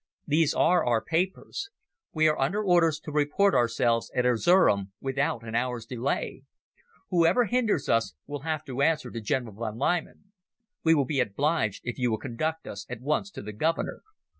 These are our papers. We are under orders to report ourselves at Erzerum without an hour's delay. Whoever hinders us will have to answer to General von Liman. We will be obliged if you will conduct us at once to the Governor."